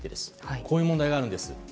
こういう問題があるんです。